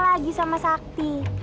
lagi sama sakti